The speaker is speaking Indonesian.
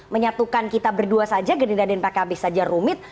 menyatukan kita berdua saja genindaden pkb saja rumit